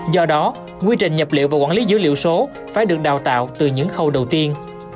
do đó quy trình nhập liệu và quản lý dữ liệu số phải được đào tạo từ những khâu đầu tiên